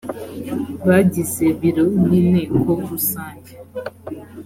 bagize biro y inteko rusange